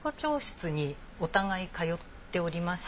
お互い通っておりまして。